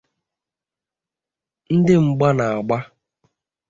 Ndị mgba na-agba